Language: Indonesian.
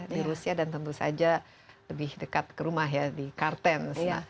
di rusia dan tentu saja lebih dekat ke rumah ya di kartens